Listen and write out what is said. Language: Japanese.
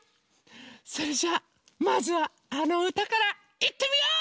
それじゃあまずはあのうたからいってみよう！